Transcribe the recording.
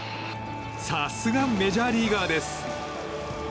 さすが、メジャーリーガーです。